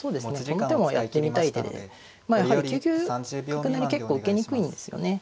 この手もやってみたい手でやはり９九角成結構受けにくいんですよね。